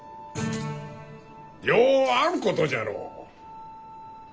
ようあることじゃろ？